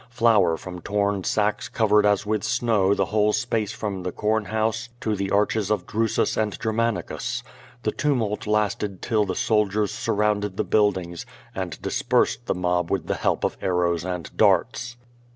Flour from torn sacks covered as with snow the whole space from the comhouse to the arches of Drusus and Oermanicus. The tumult lasted till the soldiers surrounded the buildings and dispersed the mob with the help of arrows and darts.